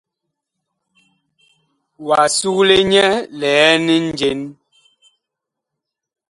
Wa sugle nyɛ liɛn njen ?